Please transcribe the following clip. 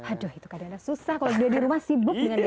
aduh itu kadang susah kalau dia di rumah sibuk